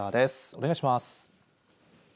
お願いします。